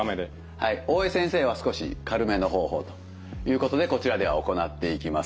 大江先生は少し軽めの方法ということでこちらでは行っていきます。